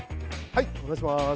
お願いします。